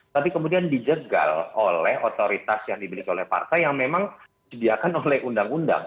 tapi kemudian dijegal oleh otoritas yang dimiliki oleh partai yang memang disediakan oleh undang undang